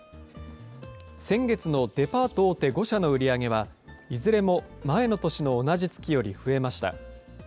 先月のデパート大手５社の売り上げは、いずれも前の年の同じ月より増えました。